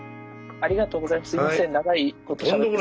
ありがとうございます。